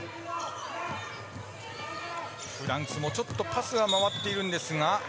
フランスもパスは回っているんですが。